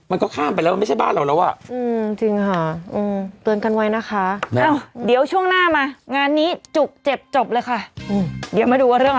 มันก็ข้ามไปไม่ใช่บ้านเราม